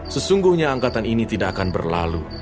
sesungguhnya angkatan ini tidak akan berlalu